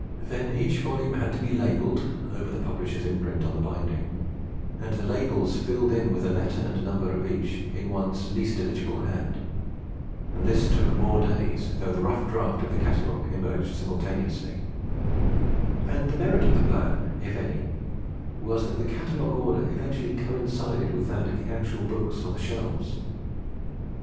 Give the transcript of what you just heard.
Then each volume had to be labelled (over the publishers' imprint on the binding) and the labels filled in with the letter and number of each in one's least illegible hand; and this took more days, though the rough draft of the catalogue emerged simultaneously; and the merit of the plan, if any, was that the catalogue order eventually coincided with that of the actual books on the shelves.